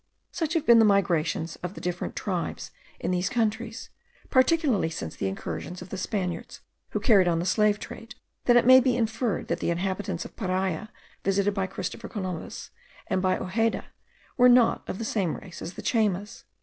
Such have been the migrations of the different tribes in these countries, particularly since the incursions of the Spaniards, who carried on the slave trade, that it may be inferred the inhabitants of Paria visited by Christopher Columbus and by Ojeda, were not of the same race as the Chaymas.